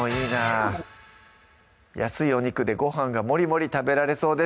安いお肉でごはんがもりもり食べられそうです